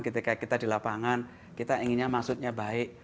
ketika kita di lapangan kita inginnya maksudnya baik